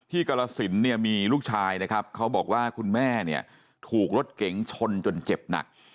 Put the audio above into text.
กรสินเนี่ยมีลูกชายนะครับเขาบอกว่าคุณแม่เนี่ยถูกรถเก๋งชนจนเจ็บหนัก